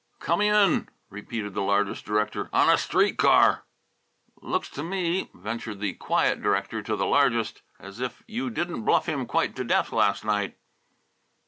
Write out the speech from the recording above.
"Come in," repeated the largest director; "on a street car!" "Looks to me," ventured the quiet director to the largest, "as if you didn't bluff him quite to death last night."